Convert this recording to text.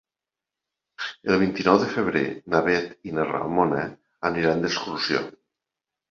El vint-i-nou de febrer na Bet i na Ramona aniran d'excursió.